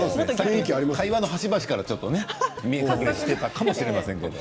会話の端々から見え隠れしていたかもしれませんけど。